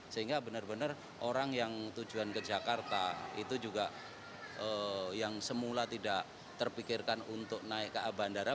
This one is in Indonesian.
sehingga benar benar orang yang tujuan ke jakarta itu juga yang semula tidak terpikirkan untuk naik ke bandara